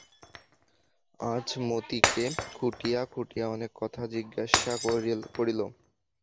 আজ মতিকে খুঁটিয়া খুঁটিয়া অনেক কথা জিজ্ঞাসা করিল।